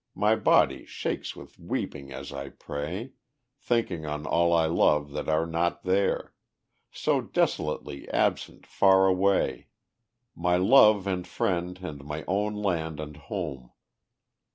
My body shakes with weeping as I pray, Thinking on all I love that are not there, So desolately absent far away My Love and Friend, and my own land and home.